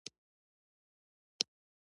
زموږ هېواد هم د خصوصي کولو اړوند ژمنې کړې دي.